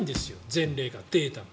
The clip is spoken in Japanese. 前例が、データが。